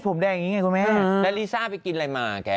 ผมแดงอย่างนี้ไงคุณแม่แล้วลิซ่าไปกินอะไรมาแก